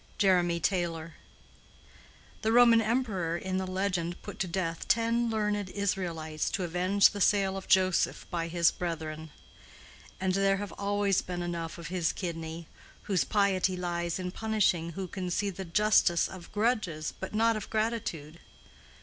—JEREMY TAYLOR. The Roman Emperor in the legend put to death ten learned Israelites to avenge the sale of Joseph by his brethren. And there have always been enough of his kidney, whose piety lies in punishing who can see the justice of grudges but not of gratitude.